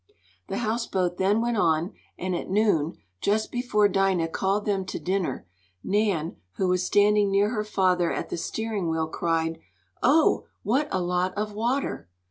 The houseboat then went on, and at noon, just before Dinah called them to dinner, Nan, who was standing near her father at the steering wheel, cried: "Oh, what a lot of water!"